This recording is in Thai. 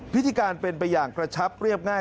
พิธีการเป็นไปอย่างกระชับเรียบง่าย